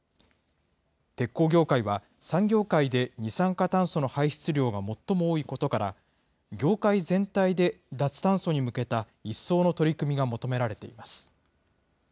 鉄鋼業界は、産業界で二酸化炭素の排出量が最も多いことから、業界全体で脱炭素に向けた一層の取り組みが求められています。